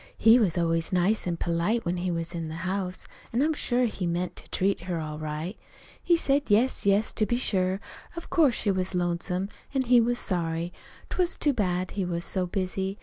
He was always nice an' polite, when he was in the house, an' I'm sure he meant to treat her all right. He said yes, yes, to be sure, of course she was lonesome, an' he was sorry. 'T was too bad he was so busy.